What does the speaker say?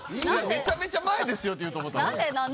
めちゃめちゃ前ですよって言うと思った。